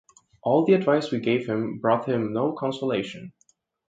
All the advice we gave him brought him no consolation.